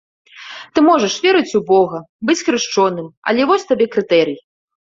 Ты можаш верыць у бога, быць хрышчоным, але вось табе крытэрый.